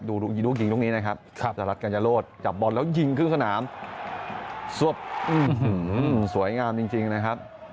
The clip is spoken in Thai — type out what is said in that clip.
ดูกิ่งตรงนี้นะครับสหรัฐกัญญาโลจับบอลแล้วยิงครึ่งสนามสวยงามจริงนะครับ